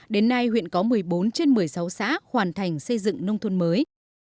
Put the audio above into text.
đến nay huyện có một mươi bốn trên một mươi sáu xã hoàn thành xây dựng nông thôn mới